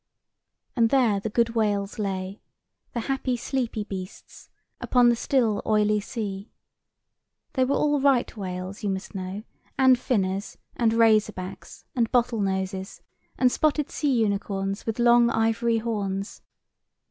And there the good whales lay, the happy sleepy beasts, upon the still oily sea. They were all right whales, you must know, and finners, and razor backs, and bottle noses, and spotted sea unicorns with long ivory horns.